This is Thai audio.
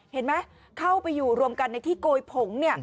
เห็นไหมเข้าไปอยู่รวมกันในที่โกยผง